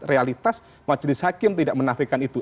realitas majelis hakim tidak menafikan itu